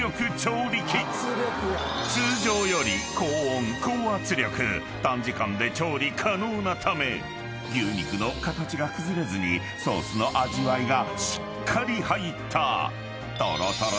［通常より高温高圧力短時間で調理可能なため牛肉の形が崩れずにソースの味わいがしっかり入った］